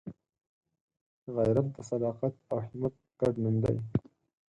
غیرت د صداقت او همت ګډ نوم دی